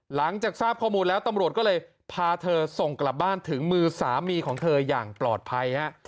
หลังจากทราบข้อมูลแล้วตำรวจก็เลยพาเธอส่งกลับบ้านถึงมือสามีของเธออย่างปลอดภัยฮะ